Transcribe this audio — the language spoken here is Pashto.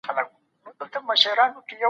ما د پښتو ژبي دپاره یو نوی کتابتون جوړ کړی دی